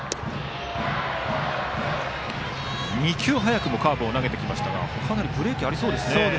２球、早くもカーブを投げてきましたがかなりブレーキありそうですよね。